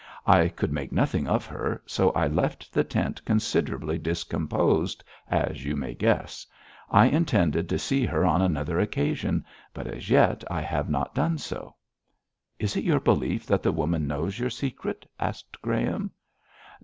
I could make nothing of her, so I left the tent considerably discomposed, as you may guess. I intended to see her on another occasion, but as yet I have not done so.' 'Is it your belief that the woman knows your secret?' asked Graham.